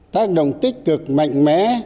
tác động tích cực mạnh mẽ